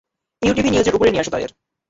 UTV নিউজের উপরে নিয়ে আসো তাদের।